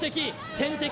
天敵